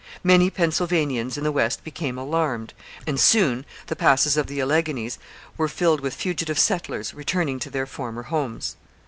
Many Pennsylvanians in the west became alarmed, and soon the passes of the Alleghanies were filled with fugitive settlers returning to their former homes.